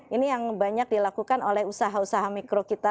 ini yang banyak dilakukan oleh usaha usaha mikro kita